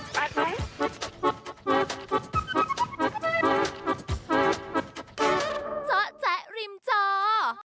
เจาะแจ๊ะริมจอ